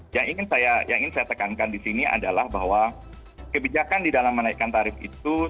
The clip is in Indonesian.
yang ingin saya tekankan di sini adalah bahwa kebijakan di dalam menaikkan tarif itu